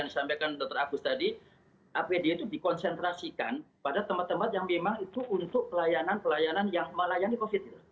yang disampaikan dr agus tadi apd itu dikonsentrasikan pada tempat tempat yang memang itu untuk pelayanan pelayanan yang melayani covid